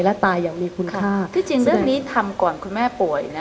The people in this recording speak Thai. และตายอย่างมีคุณภาพที่จริงเรื่องนี้ทำก่อนคุณแม่ป่วยนะ